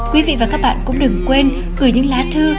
quý vị và các bạn cũng đừng quên gửi những lá thư